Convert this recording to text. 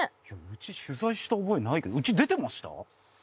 うち取材した覚えないけどうち出てました？